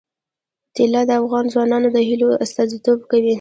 طلا د افغان ځوانانو د هیلو استازیتوب کوي.